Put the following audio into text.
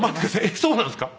えっそうなんですか？